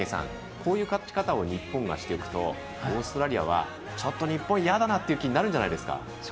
こういう勝ち方を日本がしていくとオーストラリアはちょっと日本、嫌だなっていう気になるんじゃないですか？